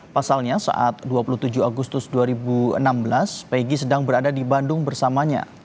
pasalnya saat dua puluh tujuh agustus dua ribu enam belas peggy sedang berada di bandung bersamanya